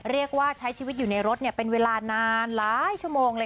เอียงว่าใช้ชีวิตอยู่ในรถเป็นเวลานานหลายชม